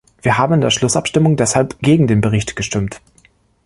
Wir haben in der Schlussabstimmung deshalb gegen den Bericht gestimmt.